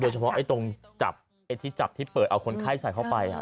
เฉพาะตรงจับไอ้ที่จับที่เปิดเอาคนไข้ใส่เข้าไป